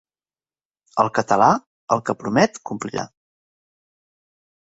El català, el que promet complirà.